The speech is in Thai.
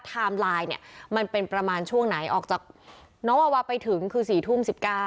ไลน์เนี่ยมันเป็นประมาณช่วงไหนออกจากน้องวาวาไปถึงคือ๔ทุ่ม๑๙